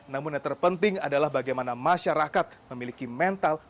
namun yang terpenting adalah bagaimana masyarakat memiliki mental